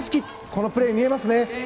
このプレーで見えますね。